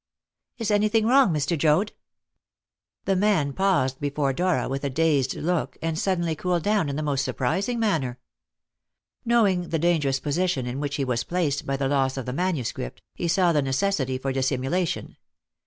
"Is anything wrong, Mr. Joad?" The man paused before Dora with a dazed look, and suddenly cooled down in the most surprising manner. Knowing the dangerous position in which he was placed by the loss of the manuscript, he saw the necessity for dissimulation.